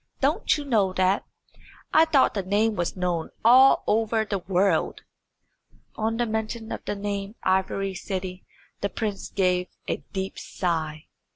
Don't you know that? I thought the name was known all over the world." On the mention of the name Ivory City the prince gave a deep sigh.